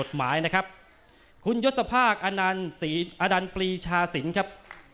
หมายนะครับคุณยศพากษ์อดันปรีชาศิลป์ครับ